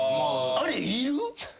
あれいる？